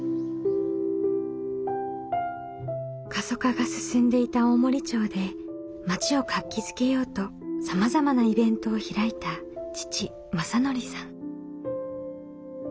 過疎化が進んでいた大森町で町を活気づけようとさまざまなイベントを開いた父政經さん。